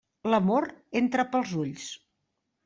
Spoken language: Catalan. L'amor entra pels ulls.